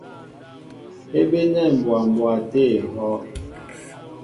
É bénɛ̂ mbwa mbwa tê ehɔ́’.